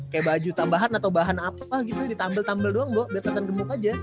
kayak baju tambahan atau bahan apa gitu ditambel tambel doang boh biar tetan gemuk aja